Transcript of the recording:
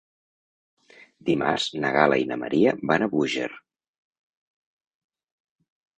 Dimarts na Gal·la i na Maria van a Búger.